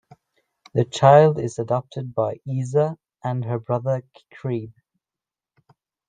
The child is adopted by Iza and her brother Creb.